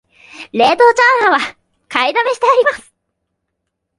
冷凍チャーハンは買いだめしてあります